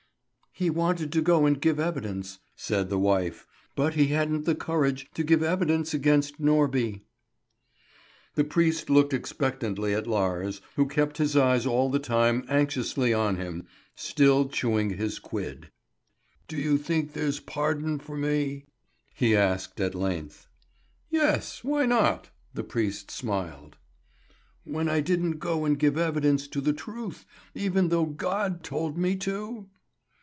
"He wanted to go and give evidence," said the wife; "but he hadn't the courage to give evidence against Norby." The priest looked expectantly at Lars, who kept his eyes all the time anxiously on him, still chewing his quid. "Do you think there's pardon for me?" he asked at length. "Yes. Why not?" The priest smiled. "When I didn't go and give evidence to the truth, even though God told me to?"